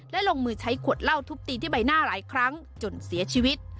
และลงมือใช้ขวดเหล้าทุบตีที่ใบหน้าหลายครั้งจนเสียชีวิต